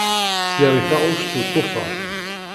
Sliɣ i taɣect uṭufan.